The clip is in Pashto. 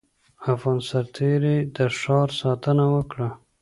افغان سرتېري د ښار ساتنه وکړه.